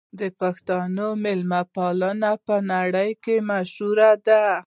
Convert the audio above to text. د پښتنو مېلمه پالنه په نړۍ کې مشهوره ده.